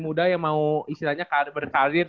muda yang mau istilahnya berkarir